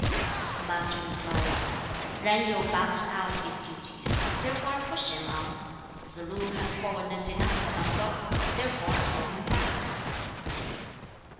The Master replied, "Yen Yu backs out of his duties; therefore I push him on. Tsz lu has forwardness enough for them both; therefore I hold him back."